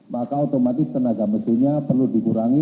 maka otomatis tenaga mesinnya perlu dikurangi